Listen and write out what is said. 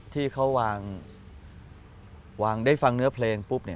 ที่เขาวางได้ฟังเนื้อเพลงปุ๊บเนี่ย